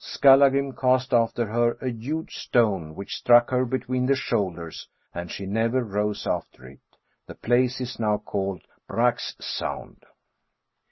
Skallagrim cast after her a huge stone which struck her between the shoulders, and she never rose after it. The place is now called Brak's Sound.''